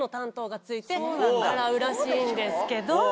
らしいんですけど。